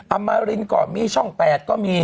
มารินก็มีช่อง๘ก็มี